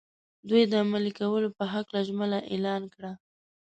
دوی د عملي کولو په هکله ژمنه اعلان کړه.